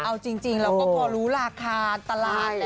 เอาจริงแล้วเราพอรู้ราคาตลาด